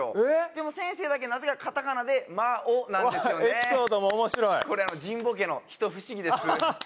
でも先生だけなぜかカタカナで「マオ」なんですよねエピソードも面白いこれ神保家の一不思議です